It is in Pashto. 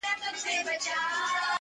ساقي وتاته مو په ټول وجود سلام دی پيره _